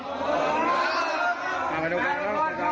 ขอบคุณมากครับเมื่อขอพุทธคุณใหม่เลยครับ